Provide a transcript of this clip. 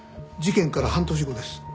事件から半年後です。